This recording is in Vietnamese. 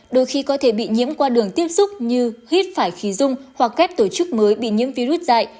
đôi khi có thể bị nhiễm qua đường tiếp xúc như hít phải khí dung hoặc các tổ chức mới bị nhiễm virus dại